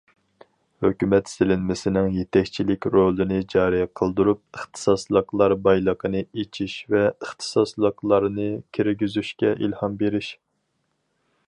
ھۆكۈمەت سېلىنمىسىنىڭ يېتەكچىلىك رولىنى جارى قىلدۇرۇپ، ئىختىساسلىقلار بايلىقىنى ئېچىش ۋە ئىختىساسلىقلارنى كىرگۈزۈشكە ئىلھام بېرىش.